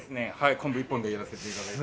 昆布一本でやらせて頂いて。